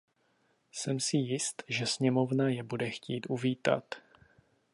Jsem si jist, že sněmovna je bude chtít uvítat.